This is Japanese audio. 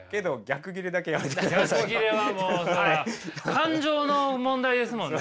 けど逆ギレはもう感情の問題ですもんね。